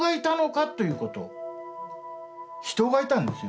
人がいたんですよ